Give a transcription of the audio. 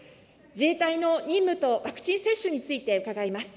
自衛隊の任務とワクチン接種について伺います。